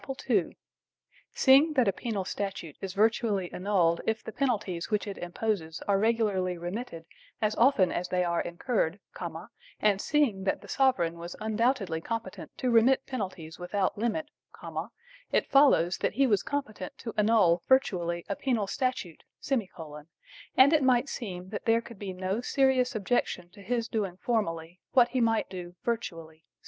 They might be welded together thus: Seeing that a penal statute is virtually annulled if the penalties which it imposes are regularly remitted as often as they are incurred, and seeing that the sovereign was undoubtedly competent to remit penalties without limit, it follows that he was competent to annul virtually a penal statute; and it might seem that there could be no serious objection to his doing formally what he might do virtually.